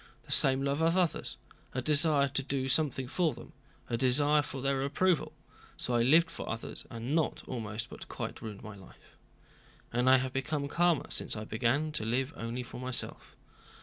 The same love of others, a desire to do something for them, a desire for their approval.—So I lived for others, and not almost, but quite, ruined my life. And I have become calmer since I began to live only for myself."